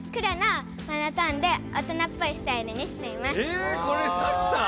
えこれサキさん？